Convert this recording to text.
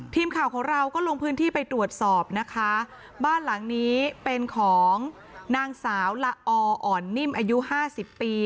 ทีมข่าวของเราก็ลงพื้นที่ไปตรวจสอบนะคะบ้านหลังนี้เป็นของนางสาวละออ่อนนิ่มอายุห้าสิบปี